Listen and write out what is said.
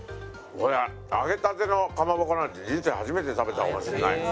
俺揚げたてのかまぼこなんて人生で初めて食べたかもしれないです。